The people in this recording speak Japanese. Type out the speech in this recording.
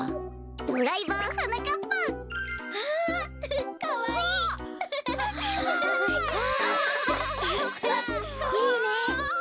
ドライバーはなかっぱん！わあ！かわいい！いいね！